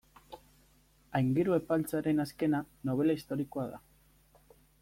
Aingeru Epaltzaren azkena, nobela historikoa da.